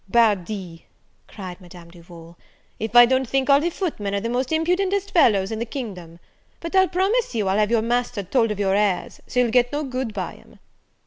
"Pardi," cried Madame Duval, "if I don't think all the footmen are the most impudentest fellows in the kingdom! But I'll promise you I'll have your master told of your airs; so you'll get no good by 'em."